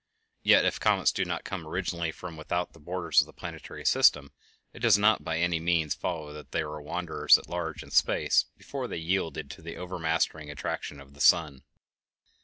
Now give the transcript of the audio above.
Yet if comets do come originally from without the borders of the planetary system, it does not, by any means, follow that they were wanderers at large in space before they yielded to the overmastering attraction of the sun.